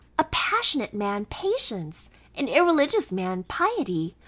a passionate man, patience? an irreligious man, piety?